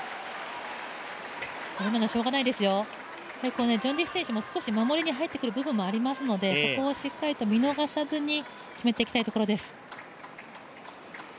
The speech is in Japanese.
今のはしょうがないですよ、チョン・ジヒ選手も少し守りに入ってくる部分もありますので、そこをしっかりと見逃さずに決めていきたいところです。